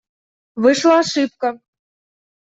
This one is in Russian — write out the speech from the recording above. Вышла ошибка.